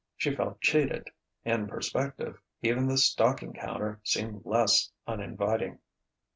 She felt cheated; in perspective, even the stocking counter seemed less uninviting....